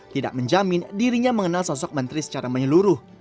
tidak menjamin dirinya mengenal sosok menteri secara menyeluruh